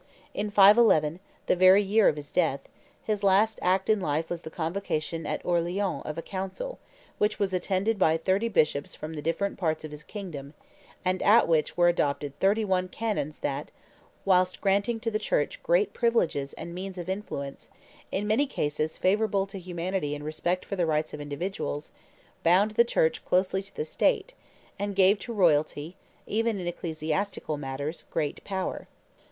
In 511, the very year of his death, his last act in life was the convocation at Orleans of a Council, which was attended by thirty bishops from the different parts of his kingdom, and at which were adopted thirty one canons that, whilst granting to the Church great privileges and means of influence, in many cases favorable to humanity and respect for the rights of individuals, bound the Church closely to the State, and gave to royalty, even in ecclesiastical matters, great power.